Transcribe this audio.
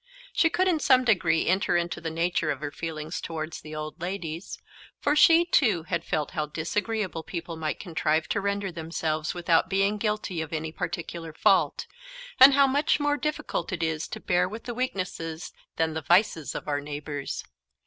She could in some degree enter into the nature of her feelings towards the old ladies; for she too had felt how disagreeable people might contrive to render themselves without being guilty of any particular fault, and how much more difficult it is to bear with the weaknesses than the vices of our neighbours.